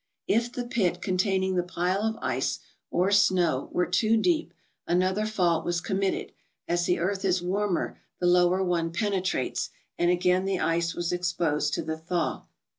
If the pit containing the pile of ice or snow were too deep another fault was committed, as the earth is warmer the lower one penetrates, and again the ice was exposed to the thaw.